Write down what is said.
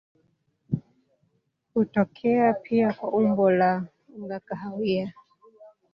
Hutokea pia kwa umbo la unga kahawia.